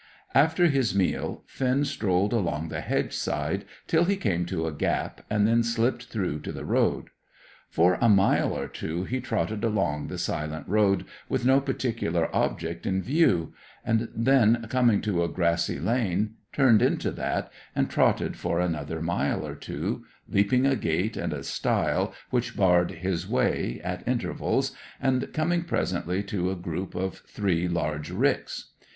After his meal Finn strolled along the hedge side till he came to a gap, and then slipped through to the road. For a mile or two he trotted along the silent road with no particular object in view, and then, coming to a grassy lane, turned into that, and trotted for another mile or two, leaping a gate and a stile which barred his way at intervals, and coming presently to a group of three large ricks.